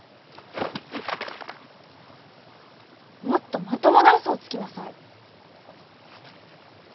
もっとまともな嘘をつきなさい！